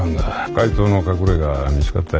怪盗の隠れが見つかったよ。